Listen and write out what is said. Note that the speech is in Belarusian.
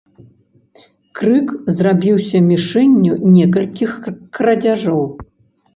Крык зрабіўся мішэнню некалькіх крадзяжоў.